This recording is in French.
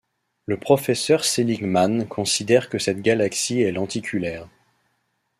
Le professeur Seligman considère que cette galaxie est lenticulaire.